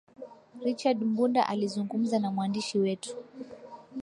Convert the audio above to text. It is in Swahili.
richard mbunda akizungumza na mwandishi wetu